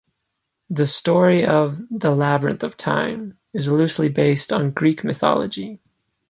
The story of "The Labyrinth of Time" is loosely based on Greek mythology.